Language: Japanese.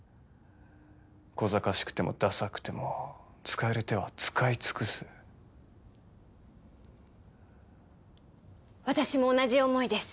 こざかしくてもダサくても使える手は使い尽くす私も同じ思いです